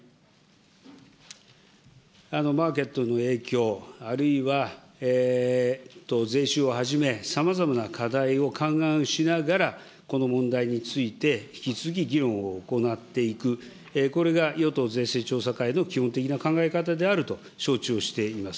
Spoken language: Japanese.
マーケットの影響、あるいは税収をはじめ、さまざまな課題を勘案しながら、この問題について、引き続き議論を行っていく、これが与党税制調査会の基本的な考え方であると承知をしております。